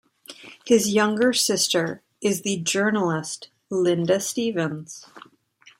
His younger sister is the journalist Linda Stevens.